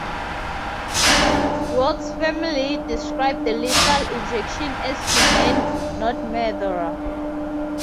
Youk's family described the lethal injection as humane, not murder.